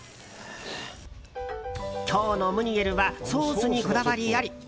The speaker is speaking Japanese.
今日のムニエルはソースにこだわりあり。